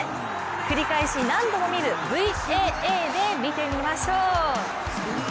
繰り返し何度も見るＶＡＡで見てみましょう。